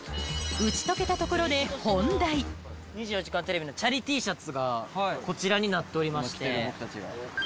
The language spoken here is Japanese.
『２４時間テレビ』のチャリＴシャツがこちらになっておりまして。